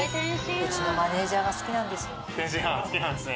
うちのマネージャーが好きなんですよ。